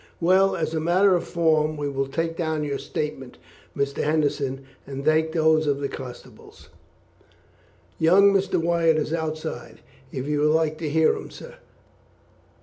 "Well, as a matter of form, we will take down your statement, Mr. Henderson, and then take those of the constables." "Young Mr. Wyatt is outside, if you would like to hear him, sir."